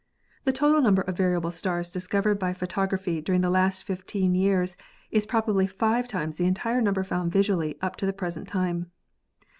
The total number of variable stars discovered by photography during the last fifteen years is probably five times the entire number found visually up to the present time.